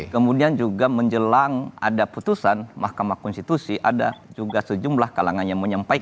kemudian juga menjelang ada putusan mahkamah konstitusi ada juga sejumlah kalangan yang menyampaikan